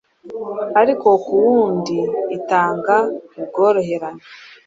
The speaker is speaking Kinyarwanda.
Ariko ku wundi itanga ubworoherane,